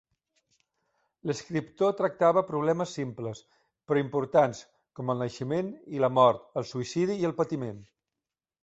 L'escriptor tractava problemes simples però importants com el naixement i la mort, el suïcidi i el patiment.